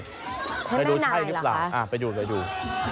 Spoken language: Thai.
ใช้แม่นายเหรอคะไปดูใช่หรือเปล่าอ่าไปดูไปดู